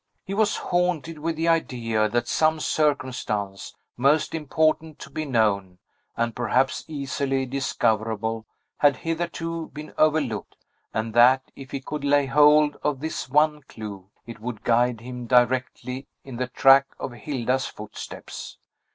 He was haunted with the idea that some circumstance, most important to be known, and perhaps easily discoverable, had hitherto been overlooked, and that, if he could lay hold of this one clew, it would guide him directly in the track of Hilda's footsteps.